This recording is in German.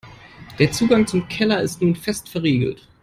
Der Zugang zum Keller ist nun fest verriegelt.